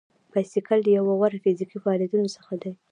بایسکل یو له غوره فزیکي فعالیتونو څخه دی.